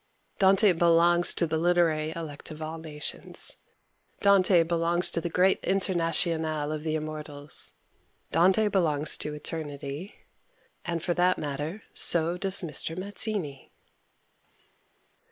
Dante belongs to the literary elect of all nations, Dante belongs to the great internationale of the immortals. Dante belongs to Eternity. And for that matter so does Mr. Mazzini.